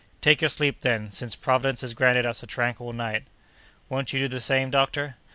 Take your sleep, then, since Providence has granted us a tranquil night." "Won't you do the same, doctor?"